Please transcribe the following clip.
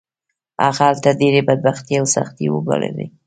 هغه هلته ډېرې بدبختۍ او سختۍ وګاللې